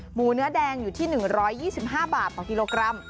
หมูเนื้อแดงอยู่ที่๑๒๕บาทต่อกิโลกรัม